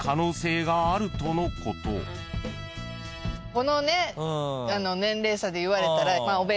このね年齢差で言われたら。